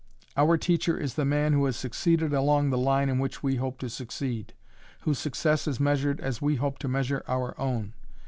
Our teacher is the man who has succeeded along the line in which we hope to succeed, whose success is measured as we hope to measure our own.